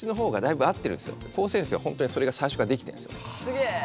すげえ。